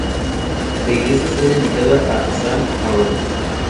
La iglesia está dedicada a San Abraham.